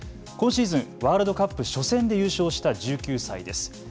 今シーズンワールドカップ初戦で優勝した１９歳です。